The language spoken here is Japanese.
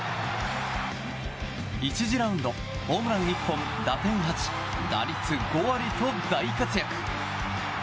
１次ラウンド、ホームラン１本打点８、打率５割と大活躍。